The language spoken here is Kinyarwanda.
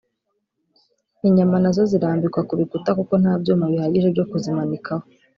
inyama nazo zirambikwa ku bikuta kuko nta byuma bihagije byo kuzimanikaho